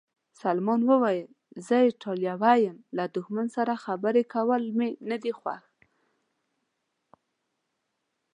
سلمان وویل: زه ایټالوی یم، له دښمن سره خبرې کول مې نه دي خوښ.